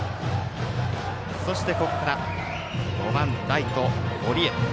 そして、ここから５番ライト、堀江。